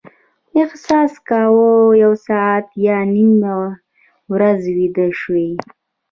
احساس کاوه یو ساعت یا نیمه ورځ ویده شوي.